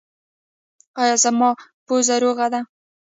ایا زما پوزه روغه ده؟